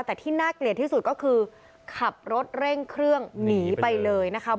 แต่ที่น่าเกลียดที่สุดก็คือขับรถเร่งเครื่องหนีไปเลยนะคะ